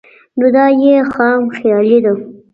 نو دا ئې خام خيالي ده